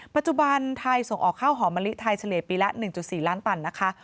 ปัจจุบันไทยส่งออกข้าวหอมะลิไทยเฉลี่ยปีละ๑๔ล้านตันนะคะ